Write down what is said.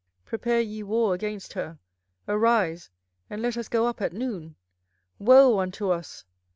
24:006:004 Prepare ye war against her; arise, and let us go up at noon. Woe unto us!